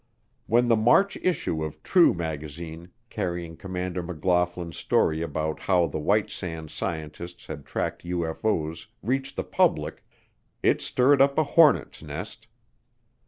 When the March issue of True magazine carrying Commander McLaughlin's story about how the White Sands Scientists had tracked UFO's reached the public, it stirred up a hornets' nest.